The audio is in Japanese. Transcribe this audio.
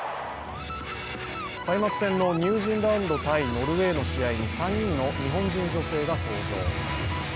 開幕戦のニュージーランド×ノルウェーの試合に３人の日本人女性が登場。